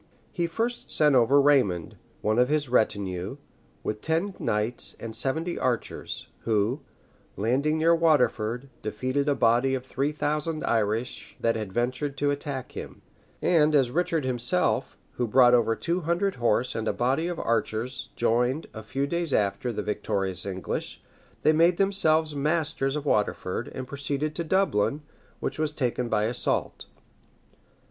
He first sent over Raymond, one of his retinue, with ten knights and seventy archers, who, landing near Waterford, defeated a body of three thousand Irish that had ventured to attack him, and as Richard himself, who brought over two hundred horse and a body of archers, joined, a few days after, the victorious English, they made themselves masters of Waterford, and proceeded to Dublin, which was taken by assault.